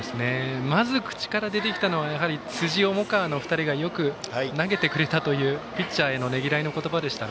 まず口から出てきたのはやはり辻、重川の２人がよく投げてくれたというピッチャーへのねぎらいでした。